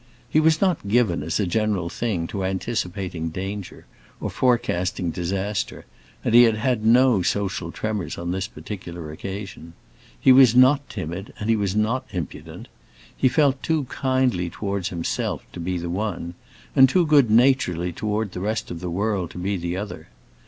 He was not given, as a general thing, to anticipating danger, or forecasting disaster, and he had had no social tremors on this particular occasion. He was not timid and he was not impudent. He felt too kindly toward himself to be the one, and too good naturedly toward the rest of the world to be the other.